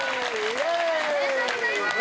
ありがとうございます。